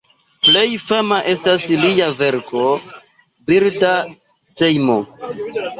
Plej fama estas lia verko "Birda sejmo".